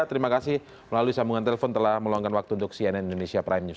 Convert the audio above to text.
terima kasih melalui sambungan telepon telah meluangkan waktu untuk cnn indonesia prime news